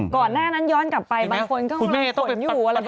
ก่อนหน้านั้นย้อนกลับไปบางคนก็สนอยู่อะไรแบบนี้